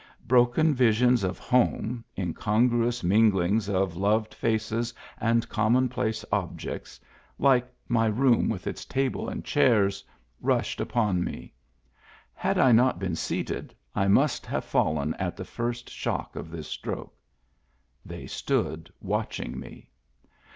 Broken visions of home, incongruous minglings of loved faces and commonplace objects, like my room with its table and chairs, rushed upon me. Had I not been seated, I must have fallen at the first shock of this stroke. They stood watching me.